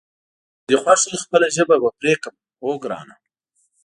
که دې خوښه وي خپله ژبه به پرې کړم، اوه ګرانه.